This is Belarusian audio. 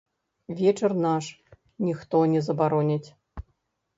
Вечар наш, ніхто не забароніць.